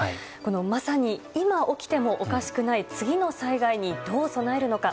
まさに今、起きてもおかしくない次の災害にどう備えるのか。